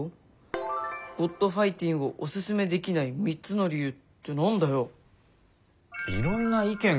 「『ｇｏｄファイティン』をおススメできない３つの理由」って何だよ。